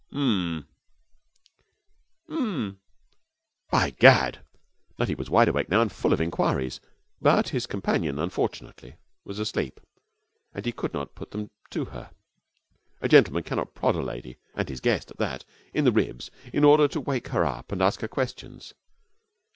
'Mm mm.' 'By gad!' Nutty was wide awake now and full of inquiries; but his companion unfortunately was asleep, and he could not put them to her. A gentleman cannot prod a lady and his guest, at that in the ribs in order to wake her up and ask her questions.